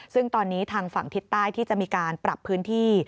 ซึ่งตอนนี้ทางฝั่งทิศใต้ที่จะมีการปรับพื้นที่